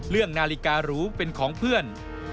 เรื่องนาฬิการูเป็นของเพื่อน